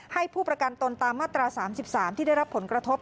ให้ผู้ประกันตนตามมาตรา๓๓ที่ได้รับผลกระทบ